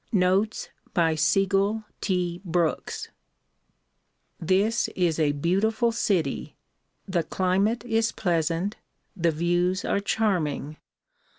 Notes by Sigel T. Brooks THIS is a beautiful city ; the climate is pleasant, the views are charming.